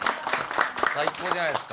最高じゃないですか。